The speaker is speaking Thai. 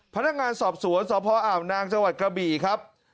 พนักงานสอบสวนสพอ่าวนางจังหวัดกระบี่ครับ